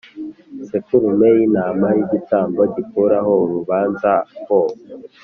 sekurume y intama y igitambo gikuraho urubanza ho